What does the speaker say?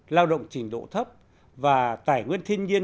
lao động trình độ thấp và tài nguyên thiên nhiên